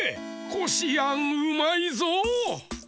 こしあんうまいぞ。